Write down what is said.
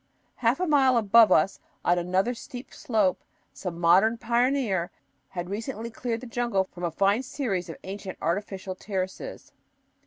Half a mile above us on another steep slope, some modern pioneer had recently cleared the jungle from a fine series of ancient artificial terraces.